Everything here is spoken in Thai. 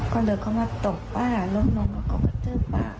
ก็เลยเข้ามาตบป้าล้มลงแล้วก็กระทืบป้า